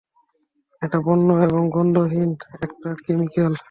এটা বর্ণ এবং গন্ধহীন একটা কেমিকেল।